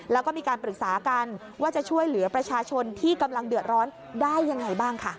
แล้วก็มีการปรึกษากันว่าจะช่วยเหลือประชาชนที่กำลังเดือดร้อนได้ยังไงบ้างค่ะ